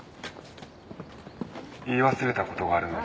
言い忘れたことがあるので。